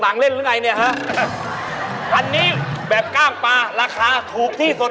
อันนี้แบบกล้ามปลาราคาถูกที่สุด